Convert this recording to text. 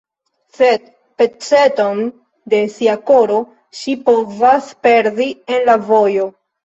Sed peceton de sia koro ŝi povas perdi en la vojo.